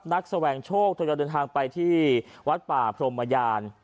นักแสวงโชคจะเดินทางไปที่วัดป่าพรหมยาน